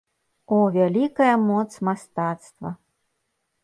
О, вялікая моц мастацтва!